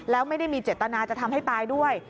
แล้วไม่ได้มีเจตนาจะทำให้ตายด้วย